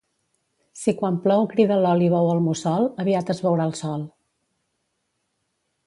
Si quan plou crida l'òliba o el mussol, aviat es veurà el sol.